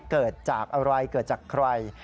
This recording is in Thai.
เกิดจากอะไรเกิดจากใคร